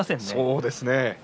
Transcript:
そうですね。